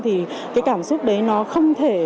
thì cái cảm xúc đấy nó không thể